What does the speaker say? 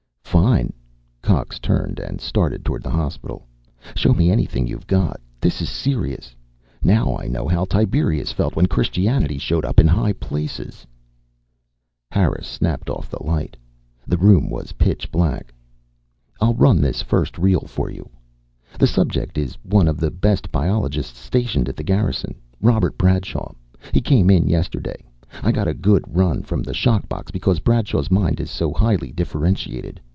"Fine," Cox turned and started toward the hospital. "Show me anything you've got. This is serious. Now I know how Tiberius felt when Christianity showed up in high places." Harris snapped off the light. The room was pitch black. "I'll run this first reel for you. The subject is one of the best biologists stationed at the Garrison. Robert Bradshaw. He came in yesterday. I got a good run from the shock box because Bradshaw's mind is so highly differentiated.